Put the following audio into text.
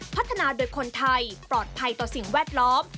พัฒนาโดยคนไทยปลอดภัยต่อสิ่งแวดล้อม